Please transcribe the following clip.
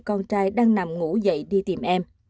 con trai đang nằm ngủ dậy đi tìm em